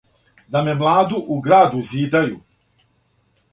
Да ме младу у град узидају!